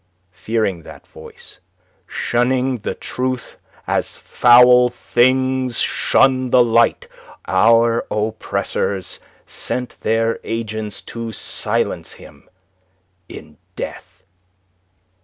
Fearing that voice, shunning the truth as foul things shun the light, our oppressors sent their agents to silence him in death."